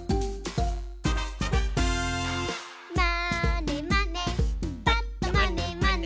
「まーねまねぱっとまねまね」